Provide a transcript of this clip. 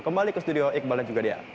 kembali ke studio iqbal dan juga dea